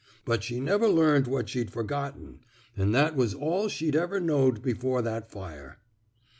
Bnt she never learned what she'd forgotten — an' that was all she'd ever knowed before that fire."